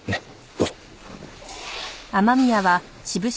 どうぞ。